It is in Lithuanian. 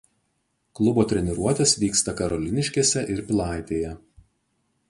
Klubo treniruotės vyksta Karoliniškėse ir Pilaitėje.